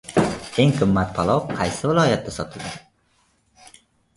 Eng qimmat palov qaysi viloyatda sotiladi?